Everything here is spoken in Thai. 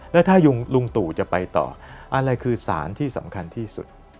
แล้วถ้าลุงตู่จะไปต่ออะไรคือสารที่สำคัญที่สุด